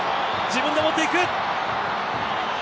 自分で持っていく。